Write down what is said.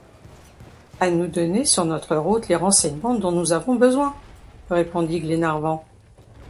À nous donner sur notre route les renseignements dont nous avons besoin, répondit Glenarvan.